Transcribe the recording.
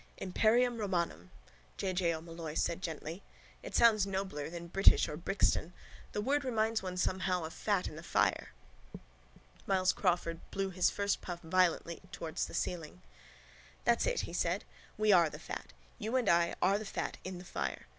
—Imperium romanum, J. J. O'Molloy said gently. It sounds nobler than British or Brixton. The word reminds one somehow of fat in the fire. Myles Crawford blew his first puff violently towards the ceiling. —That's it, he said. We are the fat. You and I are the fat in the fire.